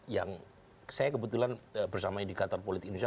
yang saya kebetulan bersama indikator politik indonesia